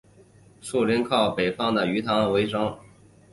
村民靠着村庄北侧的鱼塘维生。